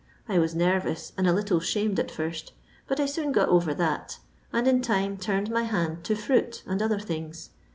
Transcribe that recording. I was nervous, and a little 'shamed at first, but I soon got over that, and in time turned my hand to fruit and other things.